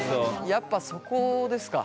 やっぱそこですか。